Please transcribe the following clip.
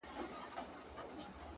د يو مئين سړي ژړا چي څوک په زړه وچيچي”